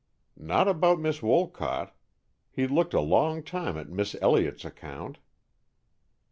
"Not about Miss Wolcott. He looked a long time at Miss Elliott's account."